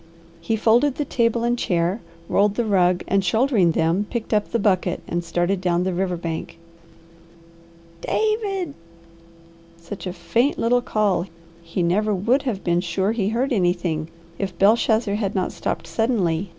He folded the table and chair, rolled the rug, and shouldering them picked up the bucket and started down the river bank. "David!" Such a faint little call he never would have been sure he heard anything if Belshazzar had not stopped suddenly.